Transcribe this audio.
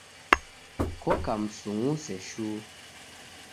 Koka msung'use shuu.